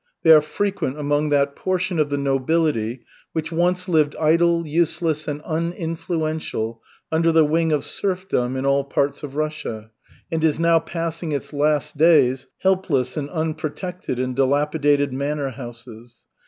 They are frequent among that portion of the nobility which once lived idle, useless, and uninfluential, under the wing of serfdom in all parts of Russia and is now passing its last days helpless and unprotected in dilapidated manor houses.